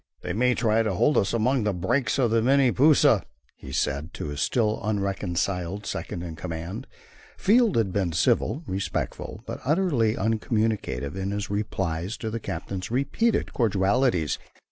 "They may try to hold us among the breaks of the Mini Pusa," said he, to his still unreconciled second in command. Field had been civil, respectful, but utterly uncommunicative in his replies to the captain's repeated cordialities.